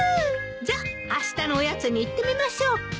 じゃあしたのおやつに行ってみましょうか。